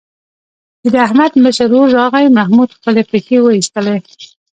چې د احمد مشر ورور راغی، محمود خپلې پښې وایستلې.